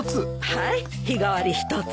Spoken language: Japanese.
はい日替わり１つ。